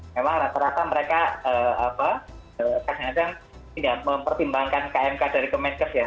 memang rata rata mereka kadang kadang tidak mempertimbangkan kmk dari kemenkes ya